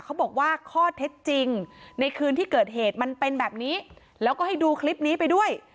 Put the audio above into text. เขาบอกว่าข้อเท็จจริงในคืนที่เกิดเหตุมันเป็นแบบนี้แล้วก็ให้ดูคลิปนี้ไปด้วย